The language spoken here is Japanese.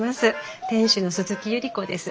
店主の鈴木百合子です。